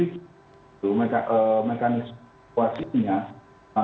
itu mekanisme situasinya